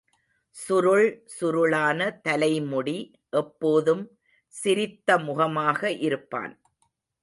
சுருள் சுருளான தலைமுடி எப்போதும் சிரித்த முகமாக இருப்பான்.